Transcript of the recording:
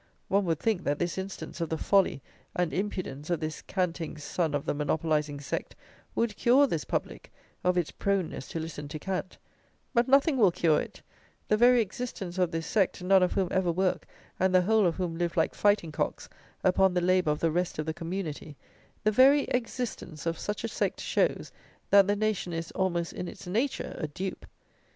One would think, that this instance of the folly and impudence of this canting son of the monopolizing sect, would cure this public of its proneness to listen to cant; but nothing will cure it; the very existence of this sect, none of whom ever work, and the whole of whom live like fighting cocks upon the labour of the rest of the community; the very existence of such a sect shows, that the nation is, almost in its nature, a dupe.